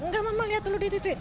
nggak mama lihat dulu di tv